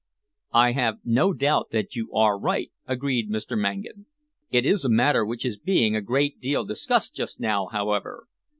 "I have no doubt that you are right," agreed Mr. Mangan. "It is a matter which is being a great deal discussed just now, however.